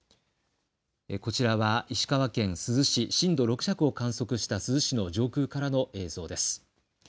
こちらは石川県珠洲市、震度６弱を観測した珠洲市の上空からの映像です。